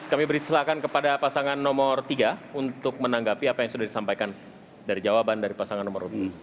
kami beri silakan kepada pasangan nomor tiga untuk menanggapi apa yang sudah disampaikan dari jawaban dari pasangan nomor dua